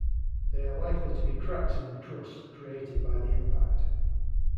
They are likely to be cracks in the crust created by the impact.